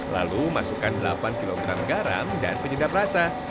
lalu masukkan delapan kg garam dan penyedap rasa